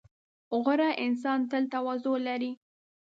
• غوره انسان تل تواضع لري.